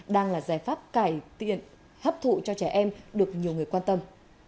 đang là giải pháp cải tiện hấp thụ cho trẻ em được nhiều người quan tâm